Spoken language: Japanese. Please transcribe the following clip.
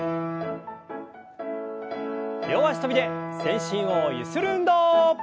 両脚跳びで全身をゆする運動。